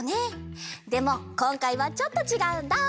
でもこんかいはちょっとちがうんだ！